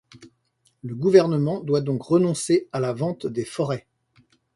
Le gouvernement doit donc renoncer à la vente des forêts.